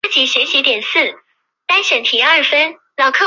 当时蒋经国刚就任江西省第四区赣州行政督察专员公署专员。